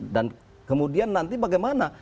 dan kemudian nanti bagaimana